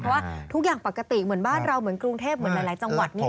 เพราะว่าทุกอย่างปกติเหมือนบ้านเราเหมือนกรุงเทพเหมือนหลายจังหวัดนี่แหละ